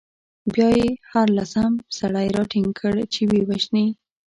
بیا يې هر لسم سړی راټینګ کړ، چې ویې وژني.